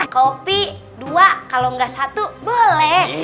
kopi dua kalau nggak satu boleh